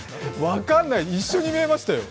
分かんない、一緒に見えましたよ。